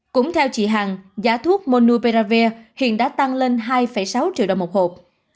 cũng theo chị hằng giá thuốc monupiravir hiện đã tăng lên hai sáu triệu đồng một hộp